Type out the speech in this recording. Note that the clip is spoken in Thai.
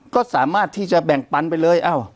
ก็สามารถที่จะแบ่งปันไปเลย